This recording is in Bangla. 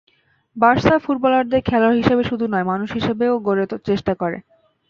বার্সা ফুটবলারদের খেলোয়াড় হিসেবেই শুধু নয়, মানুষ হিসেবেও গড়ার চেষ্টা করে।